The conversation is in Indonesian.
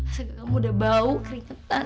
asal gak kamu udah bau keringetan